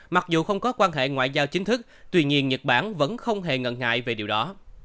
mặc dù không có quan hệ ngoại giao chính thức tuy nhiên nhật bản vẫn không hề ngần ngại về điều đó